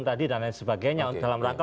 dan lain sebagainya